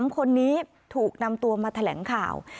๓คนนี้ถูกนำตัวมาแถลงข่าว